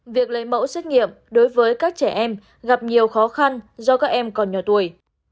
việc lấy mẫu xét nghiệm đối với các trẻ em gặp nhiều khó khăn do các em còn nhỏ tuổi